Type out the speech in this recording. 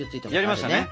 やりましたね。